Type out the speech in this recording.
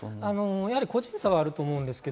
個人差はあると思います。